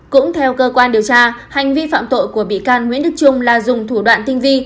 cũng theo cơ quan điều tra hành vi phạm tội của bị can nguyễn đức trung là dùng thủ đoạn tinh vi